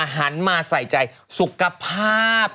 หันมาใส่ใจสุขภาพตัวเองให้ดี